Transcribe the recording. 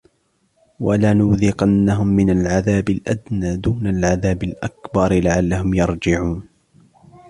وَلَنُذِيقَنَّهُمْ مِنَ الْعَذَابِ الْأَدْنَى دُونَ الْعَذَابِ الْأَكْبَرِ لَعَلَّهُمْ يَرْجِعُونَ